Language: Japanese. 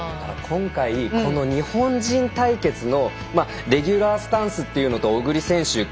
今回この日本人対決のレギュラースタンスというのと小栗選手